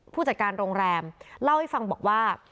ผู้จัดการโรงแรมเล่าให้ฟังบอกว่า